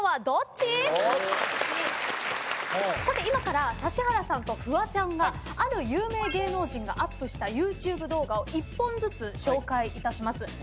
今から指原さんとフワちゃんがある有名芸能人がアップしたＹｏｕＴｕｂｅ動画を１本ずつ紹介いたします。